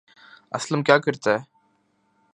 اسلم کیا کرتا ہے